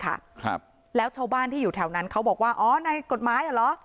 ครับแล้วชาวบ้านที่อยู่แถวนั้นเขาบอกว่าอ๋อในกฎหมายอ่ะเหรอ